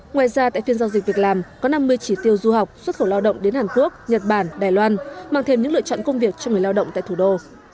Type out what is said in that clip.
ngoài ra tại phiên giao dịch việc làm có năm mươi chỉ tiêu du học xuất khẩu lao động đến hàn quốc nhật bản đài loan mang thêm những lựa chọn công việc cho người lao động tại thủ đô